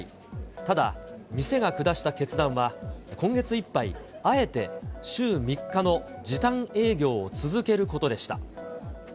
ただ店が下した決断は今月いっぱい、あえて週３日の時短営業を続けることでした。